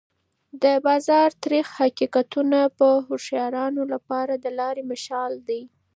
د بازار تریخ حقیقتونه د هوښیارانو لپاره د لارې مشال دی.